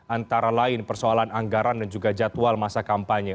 antara lain persoalan anggaran dan juga jadwal masa kampanye